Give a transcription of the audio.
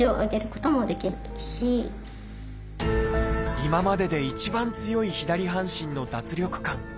今までで一番強い左半身の脱力感。